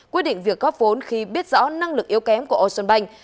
quyết định việc góp vốn khi biết rõ năng lực yếu kém của ocean bank